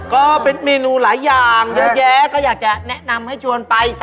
ก็เป็นเมนูหลายอย่างเยอะแยะก็อยากจะแนะนำให้ชวนไป